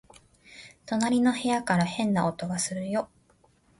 隣の部屋から変な音がするよ